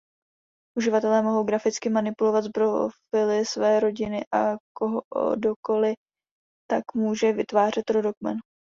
Uživatelé mohou graficky manipulovat s profily své rodiny a kdokoliv tak může vytvářet rodokmen.